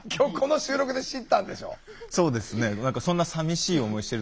そうですね。